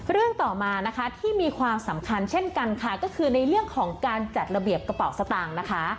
เรื่องต่อมานะคะที่มีความสำคัญเช่นกันค่ะก็คือในเรื่องของการจัดระเบียบกระเป๋าสตางค์นะคะ